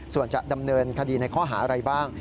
ส่วนจะดำเนินคดีในข้อหาอะไรบ้าง